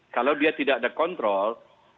kalau dia tidak ada kontrol